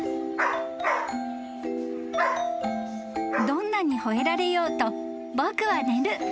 ［どんなに吠えられようと僕は寝る］